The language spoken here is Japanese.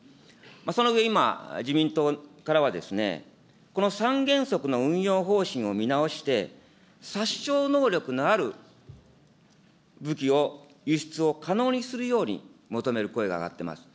その上、今、自民党からは、この三原則の運用方針を見直して、殺傷能力のある武器を、輸出を可能にするように求める声が上がっています。